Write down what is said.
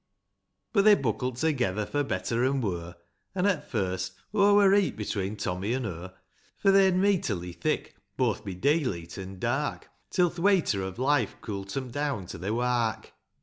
VII. But they buckle't together, for better an' wur ; An', at first, o' wurreet between Tommy an' hur; For, they'rn meeterly thick, both bi dayleet an' dark, Till th' wayter o' life cool't 'em down to their wark.